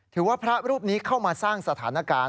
ถือว่าพระรูปนี้เข้ามาสร้างสถานการณ์